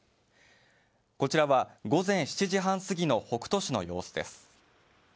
こちらは午前７時半過ぎの北杜市の様子です